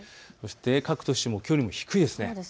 そして各都市もきょうより低いです。